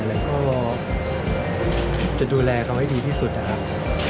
แล้วก็จะดูแลเขาให้ดีที่สุดนะครับ